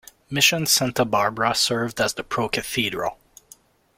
Mission Santa Barbara served as the pro-cathedral.